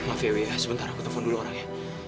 maaf dewi sebentar aku telfon dulu orangnya